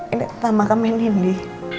ini pertama kami ini